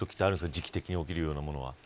時期的に起きるようなものは。